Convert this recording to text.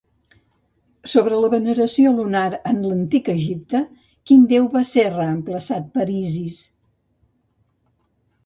Sobre la veneració lunar en l'antic Egipte, quin déu va ser reemplaçat per Isis?